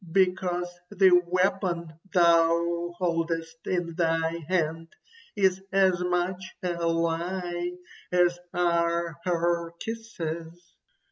because the weapon thou holdest in thy hand is as much a lie as are her kisses."